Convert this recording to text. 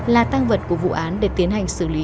là tăng vật của vụ án để tiến hành xử lý